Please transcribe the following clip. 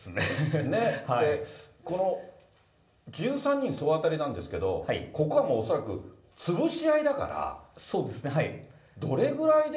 この１３人総当たりなんですけども、ここはもう恐らく潰し合いだから。